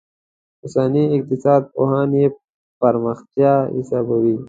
اوسني اقتصاد پوهان یې پرمختیايي حسابوي.